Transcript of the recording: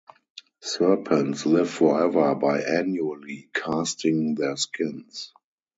Serpents live forever by annually casting their skins.